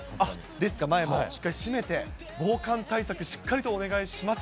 ですか、前もしっかり閉めて、防寒対策しっかりとお願いします。